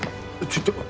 ちょっと。